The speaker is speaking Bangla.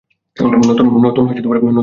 নতুন ভাইরাসটা কী?